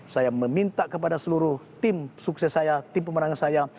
saya meminta kepada seluruh tim sukses saya tim pemenangan saya